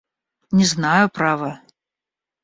Не знаю, право.